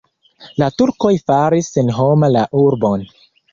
La turkoj faris senhoma la urbon.